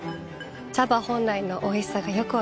茶葉本来のおいしさがよく分かります。